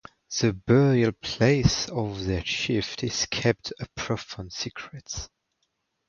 The burial-place of their chief is kept a profound secret.